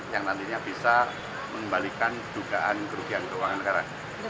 yang nantinya bisa mengembalikan dugaan kerugian keuangan negara